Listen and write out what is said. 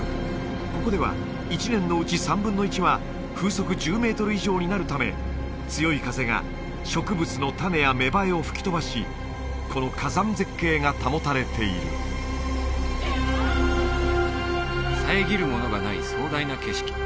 ここでは１年のうち３分の１は風速１０メートル以上になるため強い風が植物の種や芽生えを吹き飛ばしこの火山絶景が保たれている遮るものがない壮大な景色